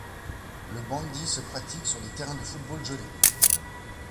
Le bandy se pratique sur des terrains de football gelés.